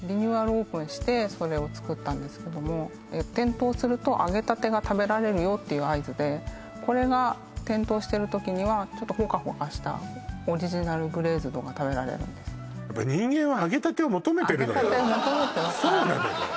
オープンしてそれを作ったんですけども点灯すると揚げたてが食べられるよっていう合図でこれが点灯してる時にはホカホカしたオリジナル・グレーズドが食べられるんですそうなのよ